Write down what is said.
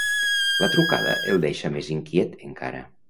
La trucada el deixa més inquiet encara.